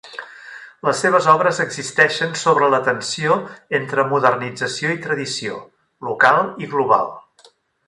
Les seves obres existeixen sobre la tensió entre modernització i tradició; local i global.